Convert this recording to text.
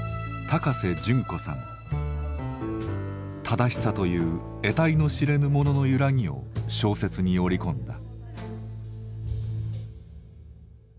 正しさというえたいの知れぬものの揺らぎを小説に織り込んだ。